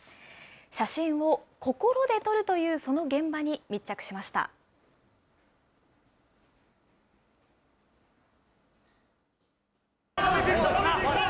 写真を心で撮るというその現場に密着しました。